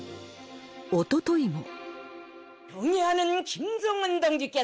おとといも。